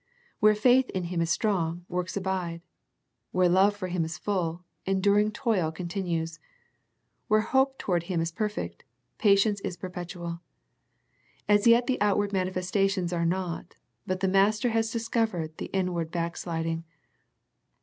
Where faith in Him is strong, works abide. Where love for Him is full, enduring toil continues. Where hope to ward Him is perfect, patience is perpetual. As yet the outward manifestations are not, but the Master has discovered the inward back sliding.